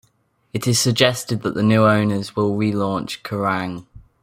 It is suggested that the new owners will relaunch Kerrang!